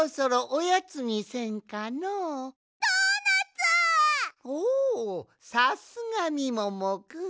おおさすがみももくん！